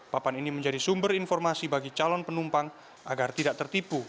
papan ini menjadi sumber informasi bagi calon penumpang agar tidak tertipu